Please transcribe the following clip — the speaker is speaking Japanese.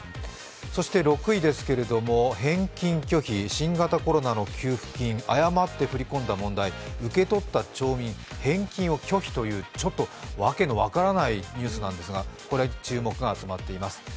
そして６位ですけれども、返金拒否、新型コロナの給付金、誤って振り込んだ問題、受け取った町民、返金を拒否という、訳の分からないニュースなんですけど注目が集まっています。